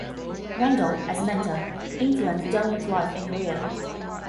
Randall as a mentor influenced Donald's life and career.